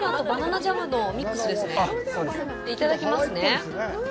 じゃあ、いただきますね。